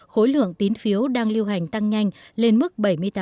khối lượng tín phiếu đang lưu hành tăng nhanh lên mức bảy mươi tám